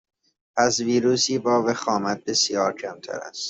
پس ویروسی با وخامت بسیار کمتر است